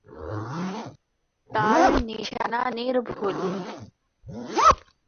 তার নিশানা নির্ভুল।